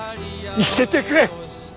生きててくれ！